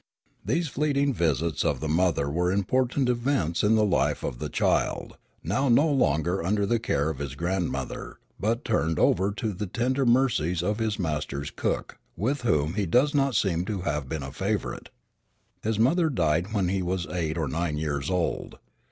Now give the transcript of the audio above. These fleeting visits of the mother were important events in the life of the child, now no longer under the care of his grandmother, but turned over to the tender mercies of his master's cook, with whom he does not seem to have been a favorite. His mother died when he was eight or nine years old.